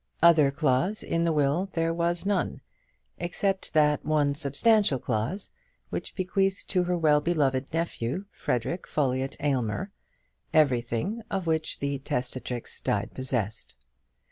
Other clause in the will there was none, except that one substantial clause which bequeathed to her well beloved nephew, Frederic Folliott Aylmer, everything of which the testatrix died possessed.